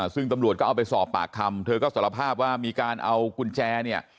ซึ่งตำรวจก็เอาไปสอบปากคำเธอก็สารภาพว่ามีการเอากุญแจเนี่ย